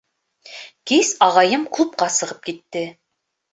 Кис ағайым клубҡа сығып китте.